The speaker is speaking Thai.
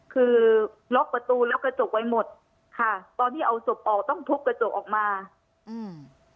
คือล็อกประตูแล้วกระจกไว้หมดค่ะตอนที่เอาศพออกต้องทุบกระจกออกมาอืม